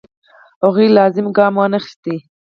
هغوی لازم ګام وانخیست.